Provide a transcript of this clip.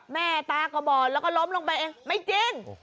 แม่ตาก็บ่นแล้วก็ร่มลงไปไม่จริง